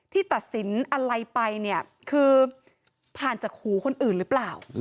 ตัดสินอะไรไปเนี่ยคือผ่านจากหูคนอื่นหรือเปล่า